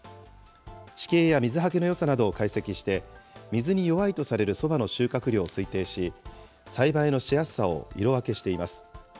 地形や水はけのよさなどを解析して、水に弱いとされるそばの収穫量を推定し、栽培のしやすさを色分けしています。